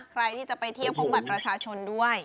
ใครที่จะไปเที่ยวพกบัตรประชาชนด้วย